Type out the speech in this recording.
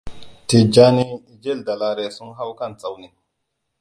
Tijjani, Jill da Lare sun hau kan tsauni.